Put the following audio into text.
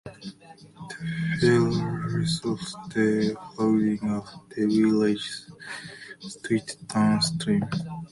The failure resulted in flooding of the villages situated downstream.